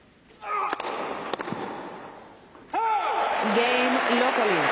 ゲーム、ロコリ。